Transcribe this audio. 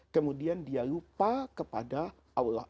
kemudian dia lupa kepada allah